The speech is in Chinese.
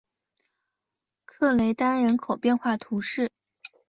克雷丹人口变化图示